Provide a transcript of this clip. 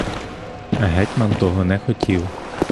Гетьман того не хотів.